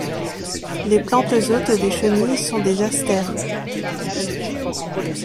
Les plantes hôtes des chenilles sont des asters.